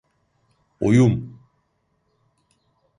Oyum!